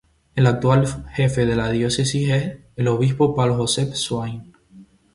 El actual jefe de la Diócesis es el Obispo Paul Joseph Swain.